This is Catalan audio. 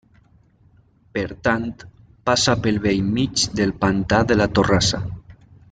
Per tant, passa pel bell mig del Pantà de la Torrassa.